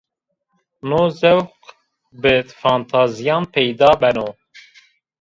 No zewq bi fantazîyan peyda beno